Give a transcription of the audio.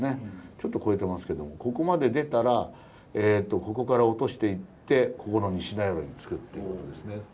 ちょっと超えてますけどもここまで出たらここから落としていってここの西名寄に着くっていうことですね。